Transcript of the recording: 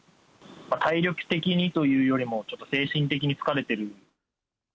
体力的にというよりも、ちょっと精神的に疲れてる。